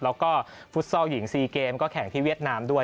แล้วก็ฟุตซอลหญิง๔เกมก็แข่งที่เวียดนามด้วย